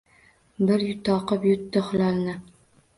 Bir yutoqib yutdi hilolni